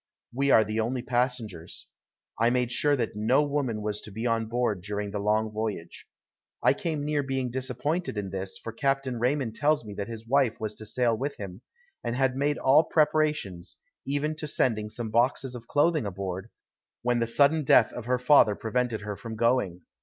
We are the only passengers. I made sure that no woman was to be on board during the long voyage. I came near being disappointed in this, for Captain Raymond tells me that his wife was to sail with him, and had made all preparations, even to sending some boxes of clothing aboard, when the sudden death of her father prevented her from going.